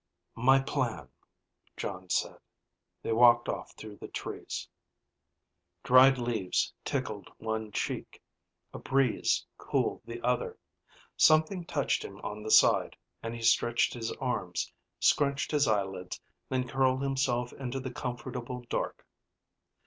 "My plan ..." Jon said. They walked off through the trees. Dried leaves tickled one cheek, a breeze cooled the other. Something touched him on the side, and he stretched his arms, scrunched his eyelids, then curled himself into the comfortable dark.